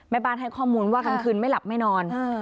บ้านให้ข้อมูลว่ากลางคืนไม่หลับไม่นอน